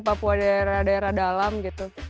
papua daerah daerah dalam gitu